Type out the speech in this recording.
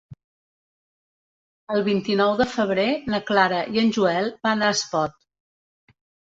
El vint-i-nou de febrer na Clara i en Joel van a Espot.